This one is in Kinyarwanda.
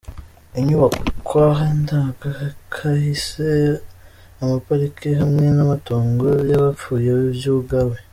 Inyubakwa ndangakahise, ama parike hamwe n'amatongo y'abapfuye vyugawe.